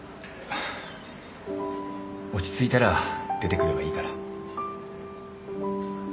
落ち着いたら出てくればいいから。